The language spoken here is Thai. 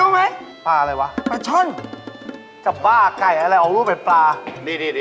มีทุกอย่าง